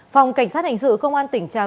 phòng cảnh sát hành sự công an tỉnh trà vương